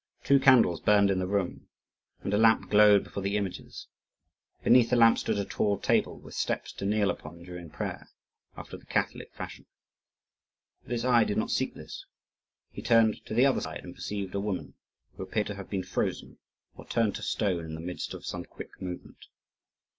Two candles burned in the room and a lamp glowed before the images: beneath the lamp stood a tall table with steps to kneel upon during prayer, after the Catholic fashion. But his eye did not seek this. He turned to the other side and perceived a woman, who appeared to have been frozen or turned to stone in the midst of some quick movement.